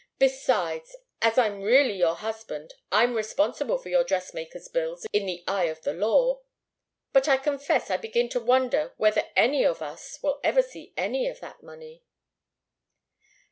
"Besides, as I'm really your husband, I'm responsible for your dressmaker's bills in the eye of the law. But, I confess, I begin to wonder whether any of us will ever see any of that money."